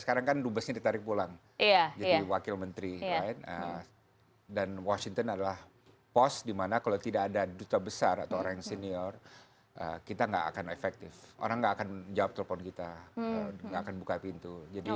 kalau misalnya kita lihat kan itu